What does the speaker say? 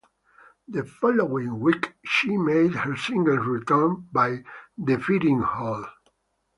The following week, she made her singles return by defeating Hall.